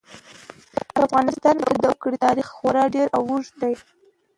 په افغانستان کې د وګړي تاریخ خورا ډېر او ډېر اوږد دی.